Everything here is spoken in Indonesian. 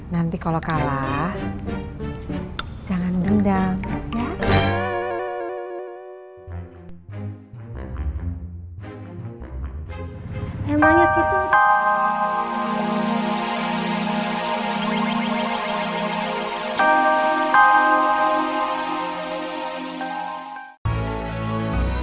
nanti kalau kalah jangan dendam ya